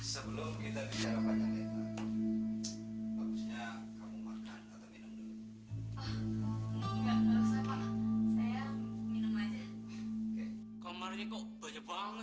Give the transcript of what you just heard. sebelum kita bicara banyak kamu makan atau minum dulu